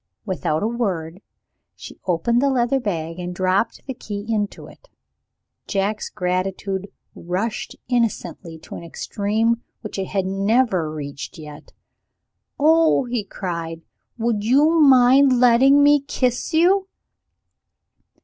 Without a word, she opened the leather bag and dropped the key into it. Jack's gratitude rushed innocently to an extreme which it had never reached yet. "Oh!" he cried, "would you mind letting me kiss you?"